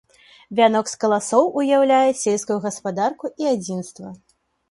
Вянок з каласоў уяўляе сельскую гаспадарку і адзінства.